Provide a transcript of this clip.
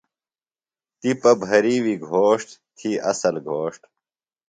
تِپہ بھرِیوی گھوݜٹ تھی اصل گھوݜٹ۔